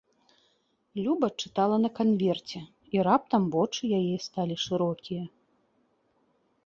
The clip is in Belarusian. Люба чытала на канверце, і раптам вочы яе сталі шырокія.